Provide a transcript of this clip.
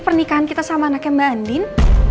pernikahan kita sama anaknya mbak andin